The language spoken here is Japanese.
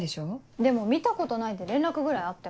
でも見たことないって連絡ぐらいあっても。